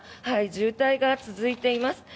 渋滞が続いています。